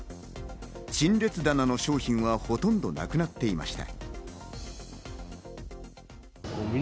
陳列棚の商品はほとんどなくなっていました。